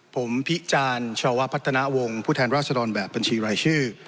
ผมพิจารณ์ชาวพัฒนาวงศ์ผู้แทนราชดรแบบบัญชีรายชื่อ